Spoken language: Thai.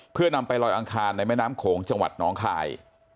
เพื่อนำไปลอยอังคารในแม่น้ำโขงจังหวัดน้องคาย